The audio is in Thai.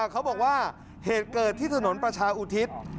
เขาบอกว่าเหตุเกิดที่ถนนประชาอุทิศ